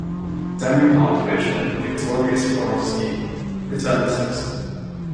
Daniel Hartwich and Victoria Swarovski returned as hosts.